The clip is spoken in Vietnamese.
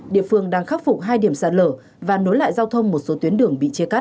địa phương đang khắc phục hai điểm sạt lở và nối lại giao thông một số tuyến đường bị chia cắt